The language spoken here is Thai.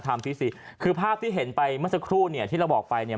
ที่สี่คือภาพที่เห็นไปเมื่อสักครู่เนี่ยที่เราบอกไปเนี่ย